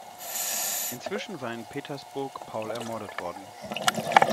Inzwischen war in Petersburg Paul ermordet worden.